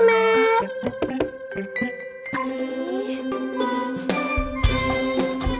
tewas pun tidak biod ideologis